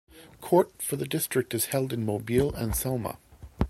Court for the District is held at Mobile and Selma.